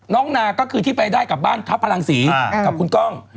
นาก็คือที่ไปได้กับบ้านทัพพลังศรีกับคุณกล้อง